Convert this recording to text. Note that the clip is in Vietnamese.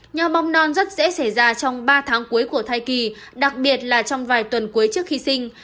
nhom non rất dễ xảy ra trong ba tháng cuối của thai kỳ đặc biệt là trong vài tuần cuối trước khi sinh